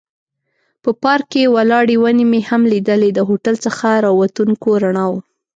په پارک کې ولاړې ونې مې هم لیدلې، د هوټل څخه را وتونکو رڼاوو.